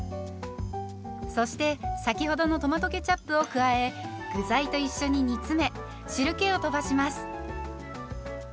そして先ほどのトマトケチャップを加え具材と一緒に煮詰め汁けをとばします。